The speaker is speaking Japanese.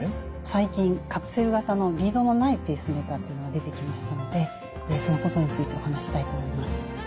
最近カプセル型のリードのないペースメーカーというのが出てきましたのでそのことについてお話ししたいと思います。